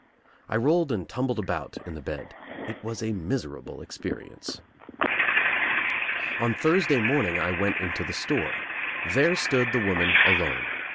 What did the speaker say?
I rolled and tumbled about in the bed. It was a miserable cx . perience. "On Thursday morning I went into the store. There iitood the woman alone.